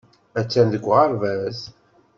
Attan deg uɣerbaz.